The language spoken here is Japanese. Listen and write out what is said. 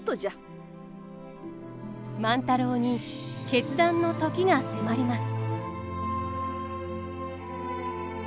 万太郎に決断の時が迫ります。